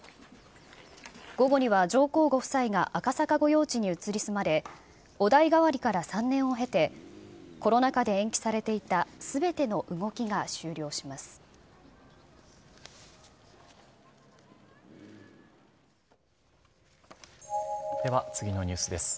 午後には上皇ご夫妻が赤坂御用地に移り住まれ、お代替わりから３年を経て、コロナ禍で延期されていたすべての動きが終了します。